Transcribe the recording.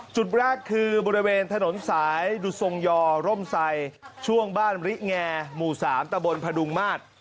จุดแรกคือบริเวณถนนสายดุทรงยอร่มไซช่วงบ้านริแงหมู่๓ตะบนพดุงมาตร